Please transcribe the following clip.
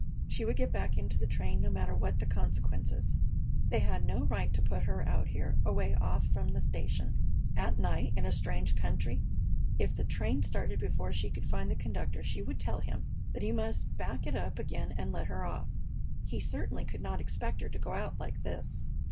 She would get back into the train, no matter what the consequences. They had no right to put her out here, away off from the station, at night, in a strange country. If the train started before she could find the conductor she would tell him that he must back it up again and let her off. He certainly could not expect her to get out like this.